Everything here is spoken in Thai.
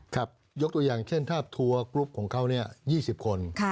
ครับยกตัวอย่างเช่นทาบทัวร์กลุ๊ปของเขาเนี่ย๒๐คน